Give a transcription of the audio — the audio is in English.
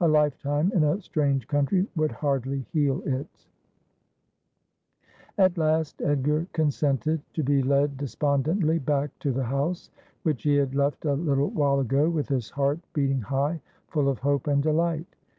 A lifetime in a strange country would hardly heal it. At last Edgar consented to be led despondently back to the house, which he had left a little while ago with his heart beat '■Not for your Linage, ne for your Richesse.' 167 ing high, full of hope and delight.